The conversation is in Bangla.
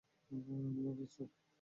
আপনার অর্ডার, স্যার।